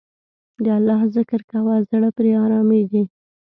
د الله ذکر کوه، زړه پرې آرامیږي.